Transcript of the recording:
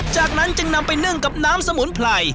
จากนั้นจึงนำไปนึ่งกับน้ำสมุนไพร